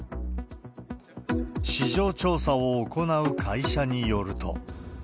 市場調査を行う会社によると。